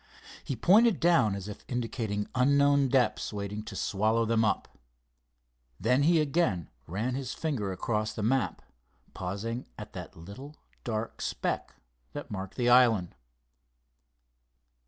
He pointed down as if indicating unknown depths waiting to swallow them up. Then he again ran his finger across the map, pausing at that little dark speck that marked the island.